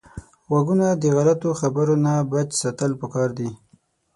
غوږونه د غلطو خبرو نه بچ ساتل پکار دي